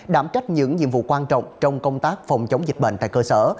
đảm trách những nhiệm vụ quan trọng trong công tác phòng chống dịch bệnh tại cơ sở